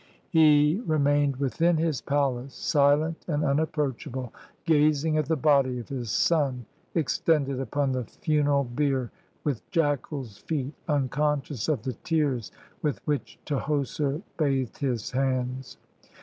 152 LET MY PEOPLE GO He remained within his palace, silent and unapproach able, gazing at the body of his son extended upon the funeral bier with jackals' feet, unconscious of the tears with which Tahoser bathed his hands.